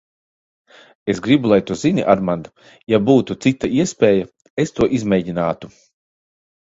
Es gribu, lai tu zini, Armand, ja būtu cita iespēja, es to izmēģinātu.